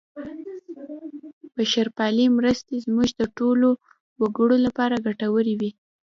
بشرپالې مرستې زموږ د ټولو وګړو لپاره ګټورې وې.